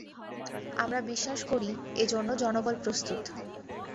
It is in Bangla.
আমরা বিশ্বাস করি, এজন্য জনবল প্রস্তুত।